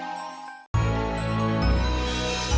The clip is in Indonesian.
sadarkanlah suami amba dari segala hilafnya